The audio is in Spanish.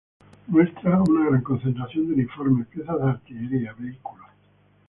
Muestra una gran concentración de uniformes, piezas de artillería, vehículos.